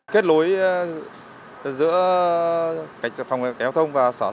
kết lối giữa phòng giao thông và xe buýt